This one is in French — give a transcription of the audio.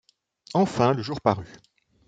Enfin, le jour parut.